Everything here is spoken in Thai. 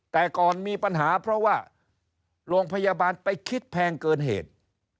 แต่ก่อนมีปัญหาเพราะว่าโรงพยาบาลไปคิดแพงเกินเหตุ